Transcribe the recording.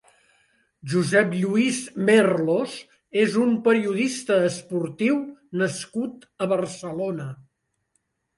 Josep Lluís Merlos és un periodista esportiu nascut a Barcelona.